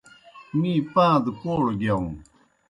می پاں دہ کوڑوْ گِیاؤن۔